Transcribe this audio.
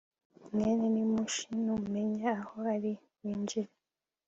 mwene nimushi numenya aho ari winjire